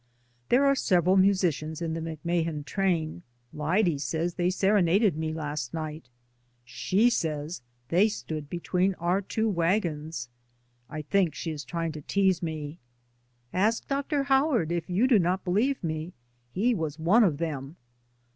There are several musicians in the Mc Mahan train; Lyde says they serenaded me last night. She says they stood between our two wagons. I think she is trying to tease me. "Ask Dr. Howard, if you do not believe me. He was one of them."